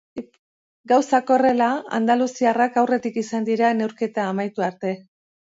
Gauzak horrela, andaluziarrak aurretik izan dira neurketa amaitu arte.